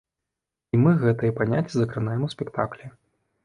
І мы гэтыя паняцці закранаем у спектаклі.